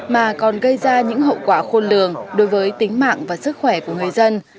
mà còn gây ra những hậu quả khôn lường đối với tính mạng và sức khỏe của người dân